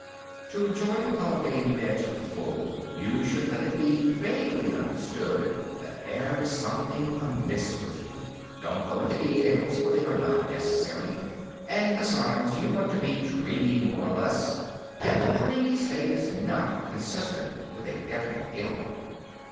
To enjoy your holiday in bed to the full, you should let it be vaguely understood that there is something amiss with you. Don't go into details, for they are not necessary; and, besides, you want to be dreamy more or less, and the dreamy state is not consistent with a definite ailment.